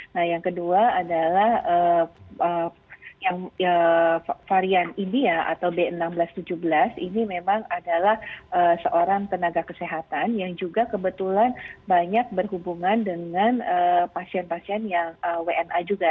nah yang kedua adalah varian india atau b enam belas tujuh belas ini memang adalah seorang tenaga kesehatan yang juga kebetulan banyak berhubungan dengan pasien pasien yang wna juga